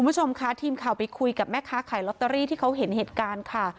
คุณผู้ชมค่ะทีมข่าวไปคุยกับแม่ค้าขายลอตเตอรี่ที่เขาเห็นเหตุการณ์ค่ะ